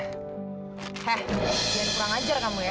he jangan kurang ajar kamu ya